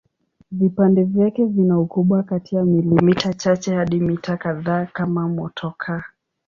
Vipande vyake vina ukubwa kati ya milimita chache hadi mita kadhaa kama motokaa.